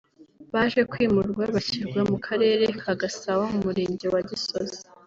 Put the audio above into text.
baje kwimurwa bashyirwa mu Karere ka Gasabo mu Murenge wa Gisozi